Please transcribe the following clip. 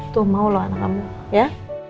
tuh mau loh anak kamu ya